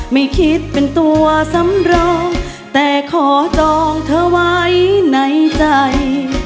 ไม่คิดเป็นตัวสำรองแต่ขอจองเธอไว้ในใจ